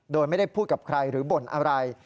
โดยไม่ได้พูดกับใครหรือบ่นอะไร